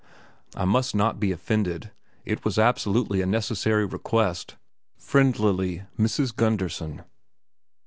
I must not be offended, it was absolutely a necessary request. Friendlily Mrs. Gundersen.